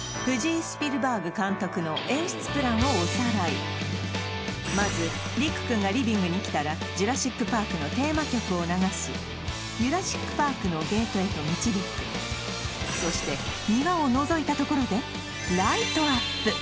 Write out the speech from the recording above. ここでまずリク君がリビングに来たら「ジュラシック・パーク」のテーマ曲を流し「ゆＲＡＳＳＩＣＰＡＲＫ」のゲートへと導くそして庭をのぞいたところでライトアップ！